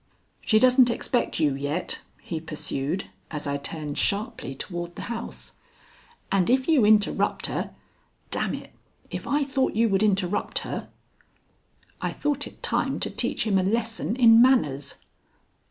"She doesn't expect you yet," he pursued, as I turned sharply toward the house, "and if you interrupt her D n it, if I thought you would interrupt her " I thought it time to teach him a lesson in manners.